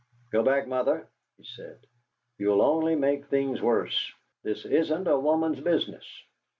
"Go back, Mother!" he said. "You'll only make things worse. This isn't a woman's business.